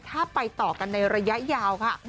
ถ้าไปต่อกันในระยะยาวค่ะ